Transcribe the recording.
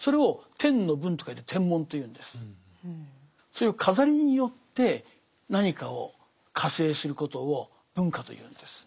そういう飾りによって何かを化成することを文化というんです。